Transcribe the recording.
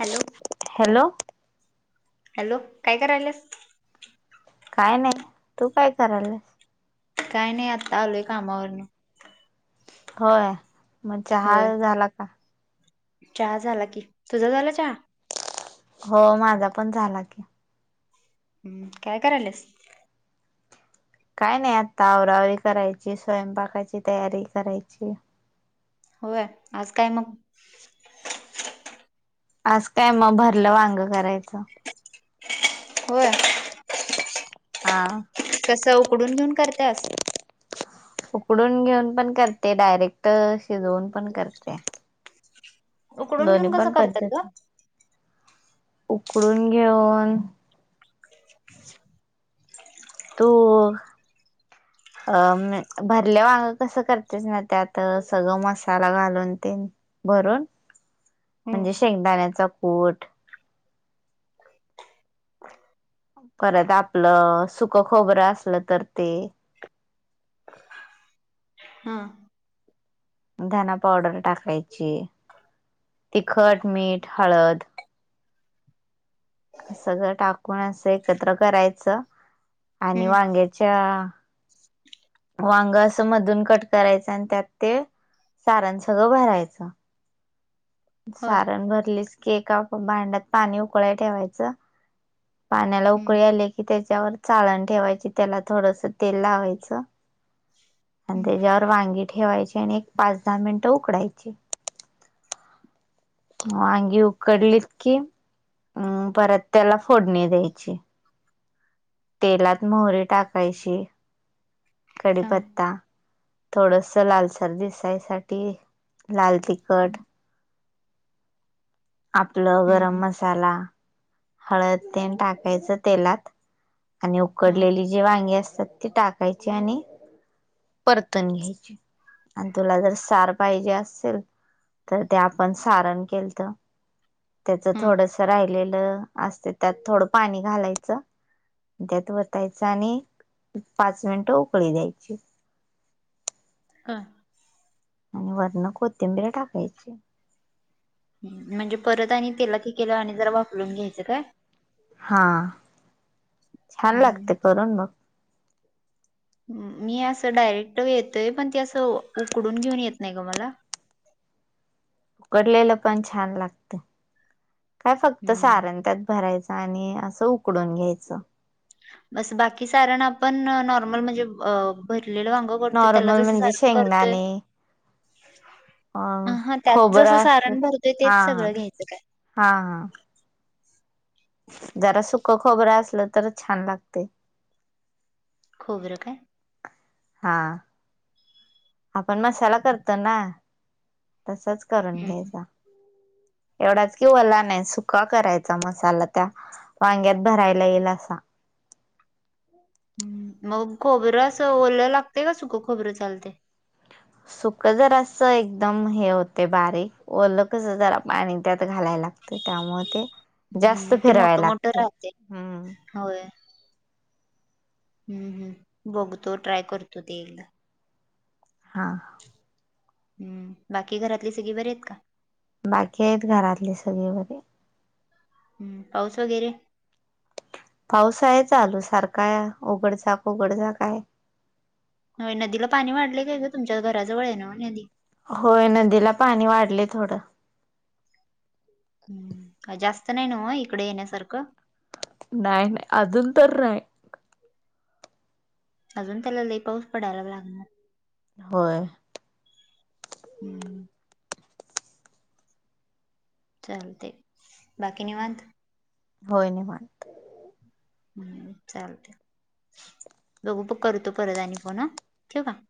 Hello hello hello काय करायलास काय नाही तू काय करायलास काय नाही आता आलोय कामावरन होय मग चहा होय. झाला का चहा झाला की तुझा झाला चहा हो माझा पण झाला की हम्म काय करायलास काय नाही आता अवराआवरी करायची स्वयंपाकाची तयारी करायची. होय आज काय मग? आज काय म भरलं वांग करायचं. होय. हा. कसं उकडून घेऊन करत्यास? उकडून घेऊन पण करते डायरेक्ट शिजवून पण करते. उकडून घेऊन दोन्ही कसं पण करत्यात ग? पद्धत उकडून घेऊन ् [inaudible] तू ह [unintelligible] अ मि भरलं वांग कसं करतेस ना त्या आत सगळं मसाला घालून ते बरं. [inaudible] म्हणजे शेंगदाण्याचा कूट परत आपलं सुकं खोबरं आसलं तर ते हा धना पावडर टाकायची. तिखट, मीठ, हाळद सगळं टाकून आसं एकत्र करायचं आणि हम्म वांग्याच्या वांग असं मधून कट करायचं आणि त्यात ते सारन सगळं भरायचं. होय. सारण भरलीच की एका भांड्यात पाणी उकळाय ठेवायचं पाण्याला हम्म उकळी आले की त्याच्यावर चाळण ठेवायची त्याला थोडसं तेल लावायचं आनं हम्म त्याज्यावर वांगी ठेवायची आणि एक पाच दहा मिनिटं उकडायची. वांगी उकडलीत की अ परत त्याला फोडणी द्यायची. तेलात मोहरी टाकायची हा. कडीपत्ता थोडस लालसर दिसायसाठी लाल तिकट हम्म [inaudible] आपलं गरम हम्म मसाला हळद तेनं टाकायचं तेलात आणि हा उकडलेली जी वांगी असतात ती टाकायची आणि परतून घ्यायची. आणि तुला जर सार पाहिजे आसेल तर ते आपण सारण केलत त्याच हा. थोडस राहिलेलं असते त्यात थोडं पाणी घालायचं त्यात वतायच आणि पाच मिनटं उकळी द्यायची. का? वरनं कोथिंबीर टाकायची. म्हणजे परत आणि केलं कि केलं आणि जरा वाफलून घ्यायचं काय? हा. छान हम्म. लागतं करून बग. मी आसं डायरेक्ट येतंय पण ते आसं उकडून घेऊन येत नाई ग मला. उकडलेलं पण छान लागत. काय फक्त हम्म सारण त्यात भरायचं. आणि आसं उकडून घ्यायचं. बस बाकी सारण आपण नॉर्मल म्हणजे अ भरलेल वांग वरती त्याला नॉर्मल जसं म्हणजे सार करतय. शेंगदाणे अ आहां त्यात जसं खोबरं सारण घालतय तेच सगळं घ्यायचं काय हां हा. जरा सुक खोबरं आसलं तर छान लागतय. खोबर काय? हा आपण मसाला करतो ना तसच करून हं, घ्यायचा एवढाच की वला नाही सुका करायचा मसाला त्या वांग्यात भरायला येईल असा. ह् मग खोबरं असं ओला लागतय का सुकं खोबरं चालते. सुक जरा अस एकदम हे होते बारीक ओल कस जरा पाणी त्यात घालाय लागत. त्यामुळे ते जास्त हं, ते फिरवाय मोठं-मोठं लागते राहतंय. हम्. होय हम्म हम् बघतो ट्राय करतो ते एकदा हा हम्म बाकी घरातली सगळी बर आहेत का? बाकी आहेत घरातले सगळे बरे हम्म पाऊस वगैरे पाऊस आहे चालू सारखा उघडझक उघडझक आहे. नदीला पाणी वाढले काय का तुमच्या घराजवळ आहे ना नदी होय नदीला पाणी वाढले थोडं. हम्म का जास्त नाही ना इकडे येण्यासारखं नाही नाही अजून तर नाही. अजून त्याला लई पाऊस पडायला लागणार. होय हम्म चालते बाकी नि वा होय नाही मन हम् चालते बघू प करतो परत आणि फोन हा ठेव का?